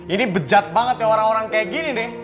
ini bejat banget ya orang orang kaya gini nih